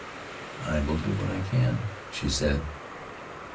"I will do what I can," she said.